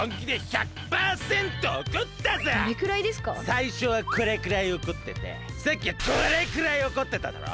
さいしょはこれくらいおこっててさっきはこれくらいおこってただろ？